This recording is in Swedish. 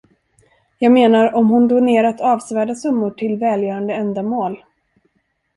Jag menar, om hon donerat avsevärda summor till välgörande ändamål.